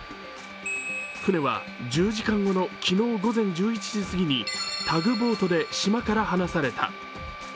船は１０時間後の昨日午前１１時すぎにタグボートで島から離された。